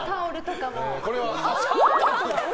これは？△。